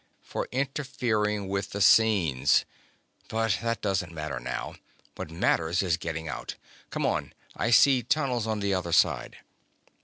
"For interfering with the scenes. But that doesn't matter now. What matters is getting out. Come on. I see tunnels on the other side."